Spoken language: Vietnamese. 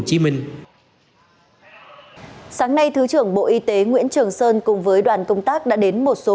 chiều sáng nay thứ trưởng bộ y tế nguyễn trường sơn cùng với đoàn công tác đã đến một số